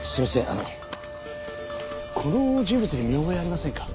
あのこの人物に見覚えありませんか？